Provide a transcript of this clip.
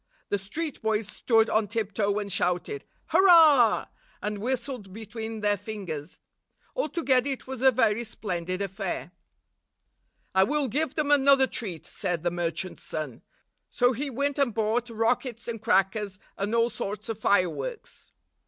The street boys stood on tiptoe and shouted, "Hurrah!" and whistled between their fingers. Altogether it was a very splendid affair. "I will give them another treat," said the merchant's son. So he went and bought rockets and crackers, and all sorts of fireworks.